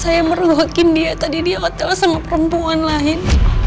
saya meruakin dia tadi di hotel sama perempuan lain